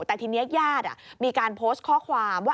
แต่ทีนี้ญาติมีการโพสต์ข้อความว่า